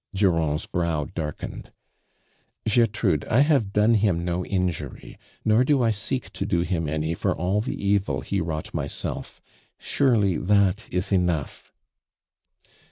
Durand's brow darkened. " GoHrude, I have done him no ii\jury, nor do I seek to do him any for all the evil he wrouglit myself. Surely that is enouah!"